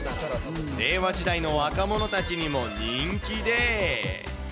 令和時代の若者たちにも人気で。